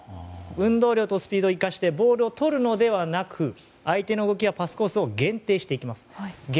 運動量とスピードを生かしてボールを取るのではなく相手の動きやパスコースを限定していきます。